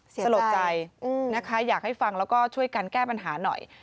สลดใจนะคะอยากให้ฟังแล้วก็ช่วยกันแก้ปัญหาหน่อย